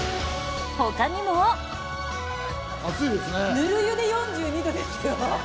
ぬる湯で４２度ですよ。